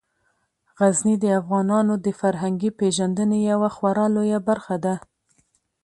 غزني د افغانانو د فرهنګي پیژندنې یوه خورا لویه برخه ده.